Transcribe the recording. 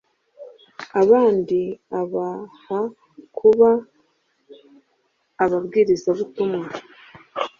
abandi abaha kuba ababwirizabutumwa